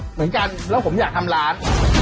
เหมือนกันแล้วผมอยากทำร้าน